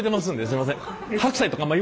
すいません。